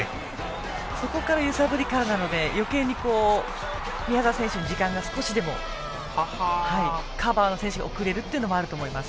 そして揺さぶりからなので余計に宮澤選手の時間が少しでもカバーの選手が遅れるというのもあると思います。